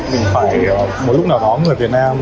mình phải mỗi lúc nào đó người việt nam